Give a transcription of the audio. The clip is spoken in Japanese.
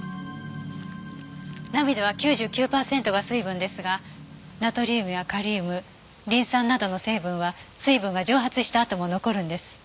涙は９９パーセントが水分ですがナトリウムやカリウムリン酸などの成分は水分が蒸発したあとも残るんです。